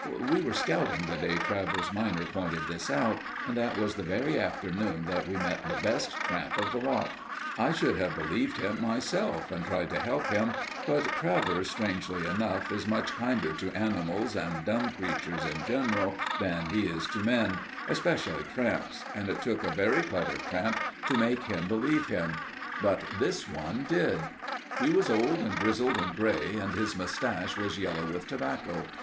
We were scouting the day Travers minor pointed this out, and that was the very afternoon that we met the best tramp of the lot. I should have believed him myself and tried to help him; but Travers, strangely enough, is much kinder to animals and dumb creatures in general than he is to men, especially tramps, and it took a very clever tramp to make him believe him. But this one did. He was old and grizzled and grey, and his moustache was yellow with tobacco.